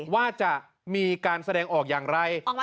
ว่าจะมีการแสดงออกอย่างไร